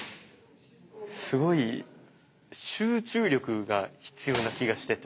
すごい集中力が必要な気がしてて。